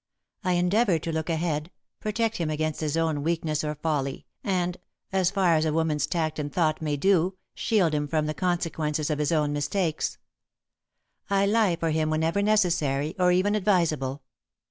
I endeavour to look ahead, protect him against his own weakness or folly, and, as far as a woman's tact and thought may do, shield him from the consequences of his own mistakes. I lie for him whenever necessary or even advisable.